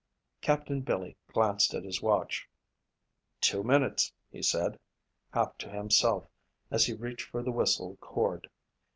Captain Billy glanced at his watch. "Two minutes," he said, half to himself as he reached for the whistle cord.